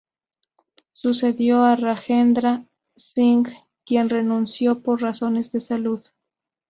Sucedió a Rajendra Singh, quien renunció por razones de salud.